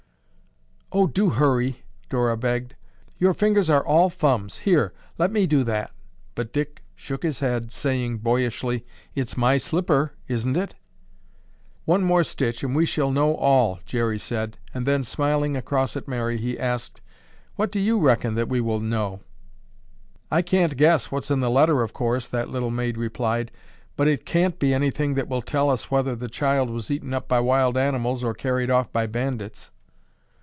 "Oh, do hurry!" Dora begged. "Your fingers are all thumbs. Here, let me do that." But Dick shook his head, saying boyishly, "It's my slipper, isn't it?" "One more stitch and we shall know all," Jerry said, then, smiling across at Mary, he asked, "What do you reckon that we will know?" "I can't guess what's in the letter, of course," that little maid replied, "but it can't be anything that will tell us whether the child was eaten up by wild animals or carried off by bandits."